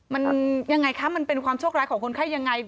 มันยังไงคะมันเป็นความโชคร้ายของคนไข้ยังไง